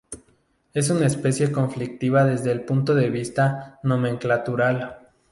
Es una especie conflictiva desde el punto de vista nomenclatural.